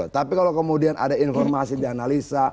tapi kalau kemudian ada informasi di analisa